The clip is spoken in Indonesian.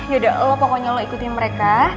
yaudah lo pokoknya lo ikutin mereka